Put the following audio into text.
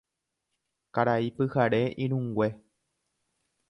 Karai pyhare irũngue